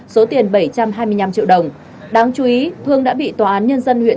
số tiền bảy trăm hai mươi năm triệu đồng đáng chú ý phương đã bị tòa án nhân dân huyện